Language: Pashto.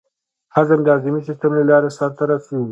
هضم د هضمي سیستم له لارې سر ته رسېږي.